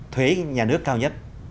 thuế nhà nước cao nhất